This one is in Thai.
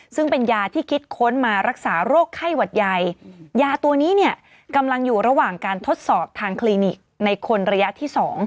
ซึ่งเป็นยาที่คิดค้นมารักษาโรคไข้หวัดใหญ่ยาตัวนี้เนี่ยกำลังอยู่ระหว่างการทดสอบทางคลินิกในคนระยะที่๒